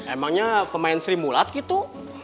emangnya pemain sri mulat gitu